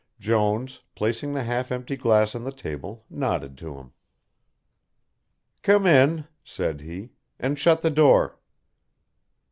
Jones, placing the half empty glass on the table, nodded to him. "Come in," said he, "and shut the door."